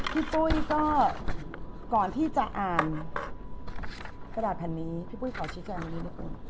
พี่ปุ๊ยก็ก่อนที่จะอ่านกระดาษแผ่นนี้พี่ปุ๊ยขอชี้แจงหน่อยนิดหนึ่ง